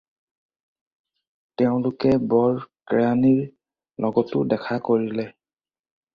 তেঁওলোকে বৰ কেৰাণীৰ লগতো দেখা কৰিলে।